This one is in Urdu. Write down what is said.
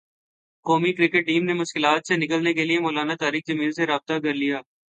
قومی کرکٹ ٹیم نے مشکلات سے نکلنے کیلئے مولانا طارق جمیل سے رابطہ کرلیا